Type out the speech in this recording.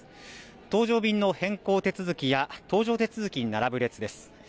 搭乗便の変更手続きや搭乗手続きに並ぶ列です。